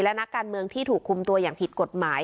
และนักการเมืองที่ถูกคุมตัวอย่างผิดกฎหมาย